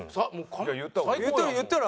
言ったら？